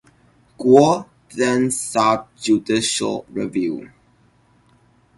Guo then sought judicial review.